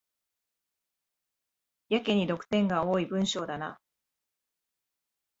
やけに読点が多い文章だな